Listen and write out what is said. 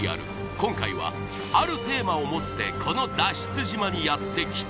今回はあるテーマを持ってこの脱出島にやってきた